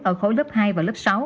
ở khối lớp hai và lớp sáu